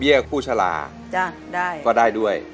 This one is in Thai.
เบียร์คู่ฉลาก็ได้ด้วย